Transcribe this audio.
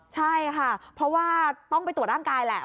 ใช่ค่ะเพราะว่าต้องไปตรวจร่างกายแหละ